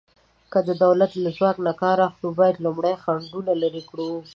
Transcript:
که د دولت له ځواک نه کار اخلو، باید لومړی خنډونه لرې کړو.